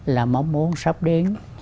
là mong muốn sắp đến